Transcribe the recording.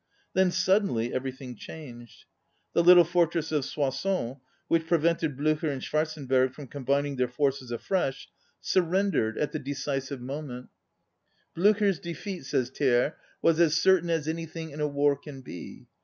Then suddenly everything changed. The little fortress of Soissons, which prevented Bl├╝cher and Schwarzen berg from combining their forces afresh, surrendered at the decisive 46 ON READING moment. "Bl├╝cher's defeat," says Thiers, " was as certain as anything in a war can be.